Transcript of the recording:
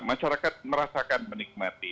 masyarakat merasakan menikmati